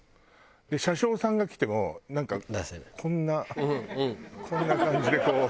車掌さんが来てもなんかこんなこんな感じでこう渡して。